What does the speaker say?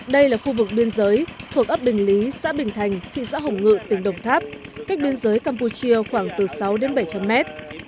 đây là khu vực biên giới thuộc ấp bình lý xã bình thành thị xã hồng ngự tỉnh đồng tháp cách biên giới campuchia khoảng từ sáu đến bảy trăm linh mét